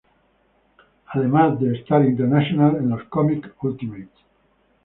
Además de Stark Internacional en los Cómics Ultimates.